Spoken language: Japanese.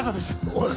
おい！